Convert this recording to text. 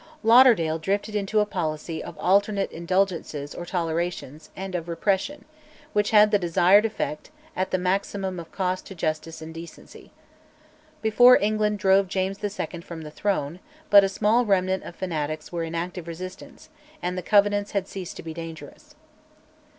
Lauderdale drifted into a policy of alternate "Indulgences" or tolerations, and of repression, which had the desired effect, at the maximum of cost to justice and decency. Before England drove James II. from the throne, but a small remnant of fanatics were in active resistance, and the Covenants had ceased to be dangerous.